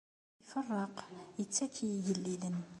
Iferreq, ittak i igellilen.